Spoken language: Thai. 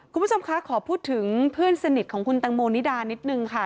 คุณผู้ชมคะขอพูดถึงเพื่อนสนิทของคุณตังโมนิดานิดนึงค่ะ